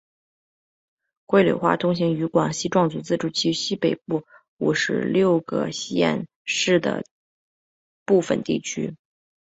桂柳话通行于广西壮族自治区西北部五十六个县市的部分地区。